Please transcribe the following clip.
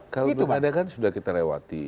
kalau belum ada kan sudah kita lewati